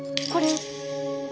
これ。